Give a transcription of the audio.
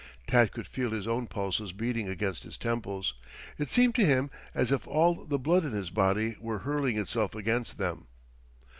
Tad could feel his own pulses beating against his temples. It seemed to him as if all the blood in his body were hurling itself against them.